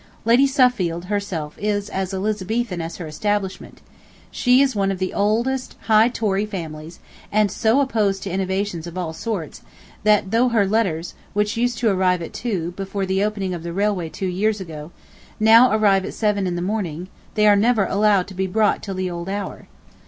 Lady Suffield herself is as Elizabethan as her establishment; she is of one [of] the oldest high Tory families and so opposed to innovations of all sorts that though her letters, which used to arrive at two, before the opening of the railway two years ago, now arrive at seven in the morning, they are never allowed to be brought till the old hour.